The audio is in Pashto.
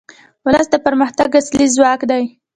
ولس د پرمختګ اصلي ځواک دی.